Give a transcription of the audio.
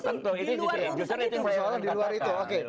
di luar itu